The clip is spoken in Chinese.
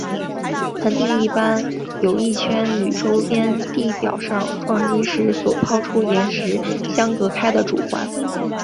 盆地一般有一圈与周边地表上撞击时所抛出岩石相隔开的主环。